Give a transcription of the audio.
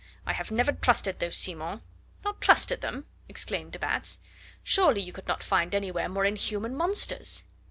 I have never trusted those Simons " "Not trusted them!" exclaimed de Batz; "surely you could not find anywhere more inhuman monsters!"